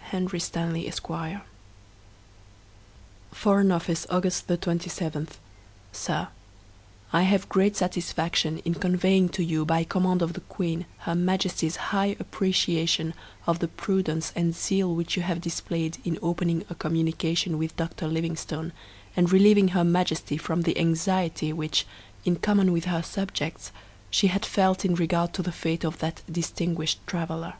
Henry Stanley, Esq. oooo Foreign Office, August 27. SIR, I have great satisfaction in conveying to you, by command of the Queen, her Majesty's high appreciation of the prudence and zeal which you have displayed in opening a communication with Dr. Livingstone, and relieving her Majesty from the anxiety which, in common with her subjects, she had felt in regard to the fate of that distinguished traveller.